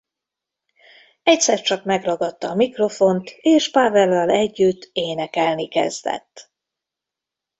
Egyszer csak megragadta a mikrofont és Pavellal együtt énekelni kezdett.